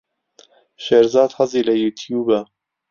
شێرزاد حەزی لە یووتیووبە.